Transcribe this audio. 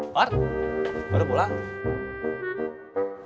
ward baru pulang